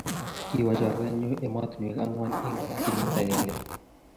kiwo chorwenyu emotinwek ang'wan eng kenyit agenge